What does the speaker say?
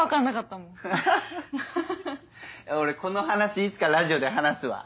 俺この話いつかラジオで話すわ。